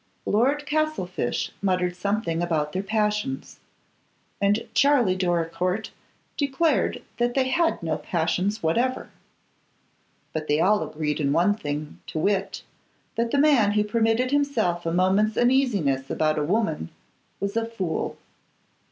Lord Castlefyshe muttered something about their passions; and Charley Doricourt declared that they had no passions whatever. But they all agreed in one thing, to wit, that the man who permitted himself a moment's uneasiness about a woman was a fool.